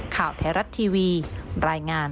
ข่าวไทยรัฐทีวีรายงาน